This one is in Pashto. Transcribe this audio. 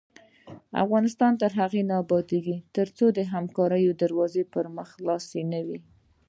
افغانستان تر هغو نه ابادیږي، ترڅو د همکارۍ دروازې پر مخ خلاصې نه وي.